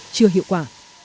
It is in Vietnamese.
chưa hiệu quả